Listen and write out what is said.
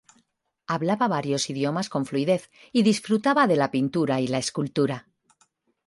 Hablaba varios idiomas con fluidez y disfrutaba de la pintura y la escultura.